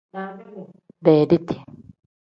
Beediti.